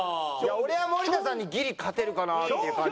俺は森田さんにギリ勝てるかなっていう感じですけどね。